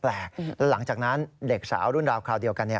แล้วหลังจากนั้นเด็กสาวรุ่นราวคราวเดียวกัน